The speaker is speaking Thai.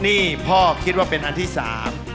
นี่พ่อคิดว่าเป็นอันที่สาม